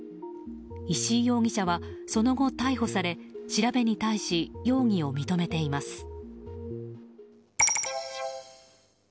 石井容疑者はその後逮捕され調べに対し容疑を認めています。